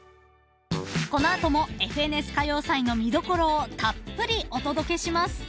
［この後も『ＦＮＳ歌謡祭』の見どころをたっぷりお届けします］